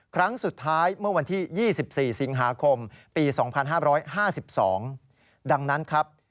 ครั้งสุดท้ายเมื่อวันที่๒๔สิงหาคมปี๒๕๕๒ดังนั้นครับ